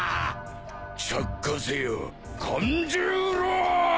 着火せよカン十郎！